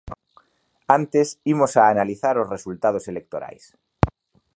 Antes imos a analizar os resultados electorais.